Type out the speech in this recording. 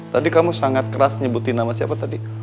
tadi kamu sangat keras nyebutin nama siapa tadi